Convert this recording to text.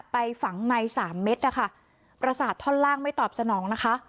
ไปฝังในสามเม็ดนะคะประสาทท่อนล่างไม่ตอบสนองนะคะ